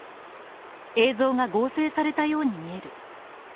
映像が合成されたように見える。